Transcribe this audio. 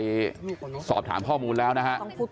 เพื่อนบ้านเจ้าหน้าที่อำรวจกู้ภัย